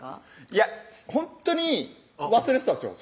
いやほんとに忘れてたんですよ